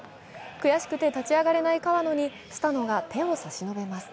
悔しくて立ち上がれない川野にスタノが手を差し伸べます。